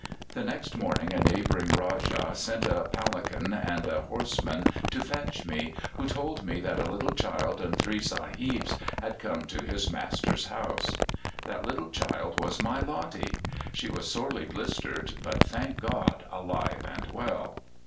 The next morning a neighbouring Rajah sent a palanquin and a horseman to fetch me, who told me that a little child and three sahibs had come to his master's house. That little child was my Lottie! She was sorely blistered, but, thank God! alive and well."